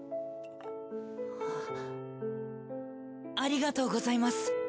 ありがとうございます！